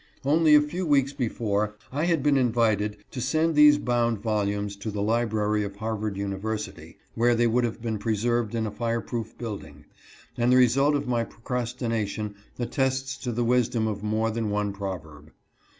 Only a few weeks before, I had been invited to send these bound volumes to the library of Harvard University, where they would have been preserved in a fire proof building, and the result of my procrastination attests the wis dom of more than one proverb.